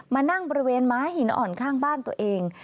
มานั่งบริเวณม้าหินอ่อนข้างบ้านตัวเอง